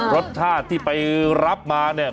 รสชาติที่ไปรับมาเนี่ย